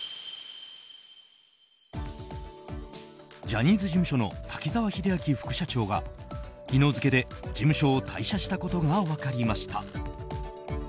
ジャニーズ事務所の滝沢秀明副社長が昨日付で事務所を退社したことが分かりました。